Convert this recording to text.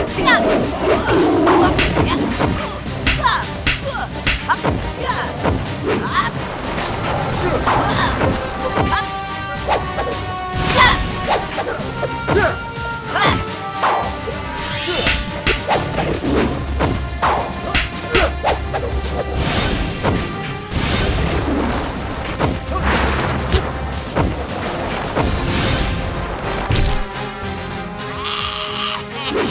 tidak bimbi bebaskan dia